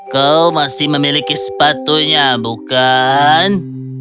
kau masih memiliki sepatunya bukan